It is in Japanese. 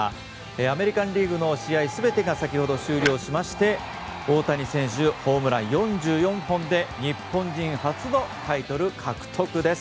アメリカンリーグの試合全てが先ほど終了しまして大谷選手ホームラン４４本で日本人初のタイトル獲得です。